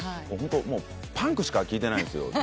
ホントパンクしか聴いてないんですよ。